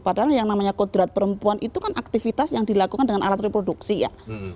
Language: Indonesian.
padahal yang namanya kodrat perempuan itu kan aktivitas yang dilakukan dengan alat reproduksi ya